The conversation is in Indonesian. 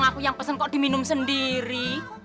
aku yang pesen kok diminum sendiri